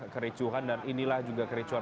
kericuhan dan inilah juga kericuan